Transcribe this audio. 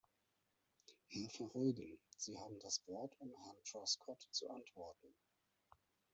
Herr Verheugen, Sie haben das Wort, um Herrn Truscott zu antworten.